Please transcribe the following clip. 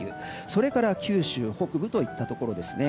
それから九州北部といったところですね。